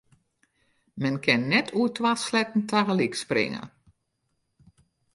Men kin net oer twa sleatten tagelyk springe.